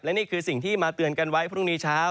นี่คือสิ่งที่มาเตือนกันไว้พรุ่งนี้เช้า